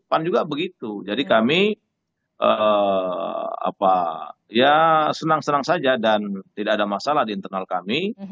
pan juga begitu jadi kami ya senang senang saja dan tidak ada masalah di internal kami